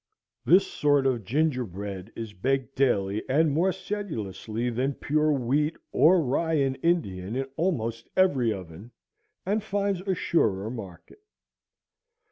This sort of gingerbread is baked daily and more sedulously than pure wheat or rye and Indian in almost every oven, and finds a surer market.